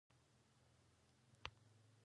خو محبوبې يې د ناز و ادا او نازکۍ